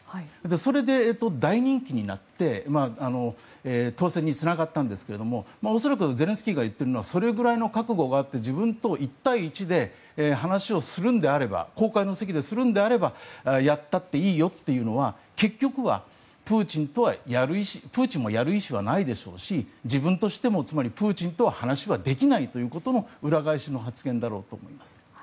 それで大人気になって当選につながったんですが恐らく、ゼレンスキーが言っているのはそのぐらいの覚悟があって自分と１対１で話を公開の席でするんであればやってもいいよというのは結局はプーチンもやる意思はないでしょうし自分としても、つまりプーチンと話はできないということの裏返しの発言だろうと思います。